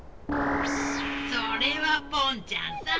それはポンちゃんさ。